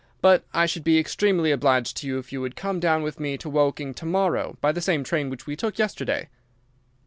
But I should be extremely obliged to you if you would come down with me to Woking to morrow, by the same train which we took yesterday."